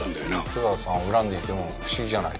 津川さんを恨んでいても不思議じゃない。